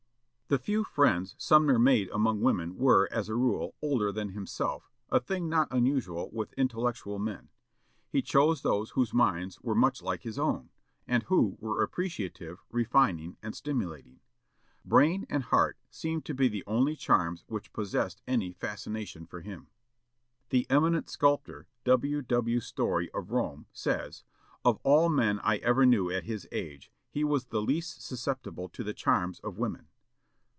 The few friends Sumner made among women were, as a rule, older than himself, a thing not unusual with intellectual men. He chose those whose minds were much like his own, and who were appreciative, refining, and stimulating. Brain and heart seemed to be the only charms which possessed any fascination for him. The eminent sculptor, W. W. Story of Rome, says, "Of all men I ever knew at his age, he was the least susceptible to the charms of women.